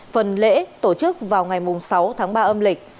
phần lễ tổ chức vào ngày sáu tháng ba âm lịch